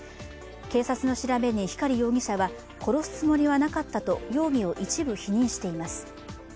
警察の調べに光容疑者は、殺すつもりはなかったと容疑を一部否認しています。